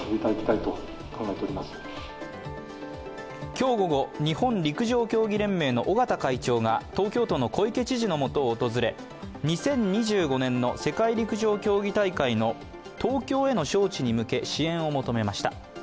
今日午後、日本陸上競技連盟の尾縣会長が東京都の小池知事のもとを訪れ２０２５年の世界陸上競技大会の東京への招致に向け支援を求めました。